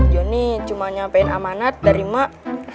joni cuma nyampein amanat dari mak